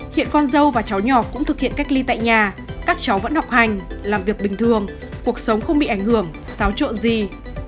hiện con dâu và cháu nhỏ cũng thực hiện cách ly tại nhà các cháu vẫn học hành làm việc bình thường cuộc sống không bị ảnh hưởng xáo trộn gì